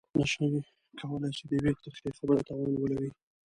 نه شي کولای چې د يوې ترخې خبرې توان ولري.